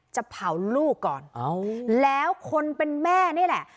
จะเผาลูกก่อนแล้วคนเป็นแม่นี่แหละ